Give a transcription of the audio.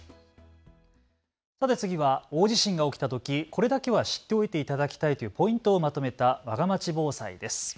さて次は大地震が起きたときこれだけは知っておいていただきたいというポイントをまとめたわがまち防災です。